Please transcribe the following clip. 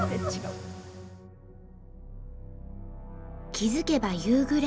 気付けば夕暮れ。